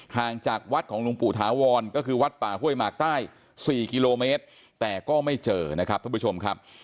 ห่างจากวัดของหลวงปู่ถาวรก็คือวัดป่าห้วยหมากใต้๔กิโลเมตรแต่ก็ไม่เจอนะครับท่านผู้ชมครับ